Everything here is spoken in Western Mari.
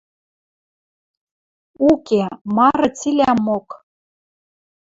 Уке, мары цилӓмок